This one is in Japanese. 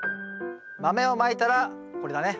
豆をまいたらこれだね。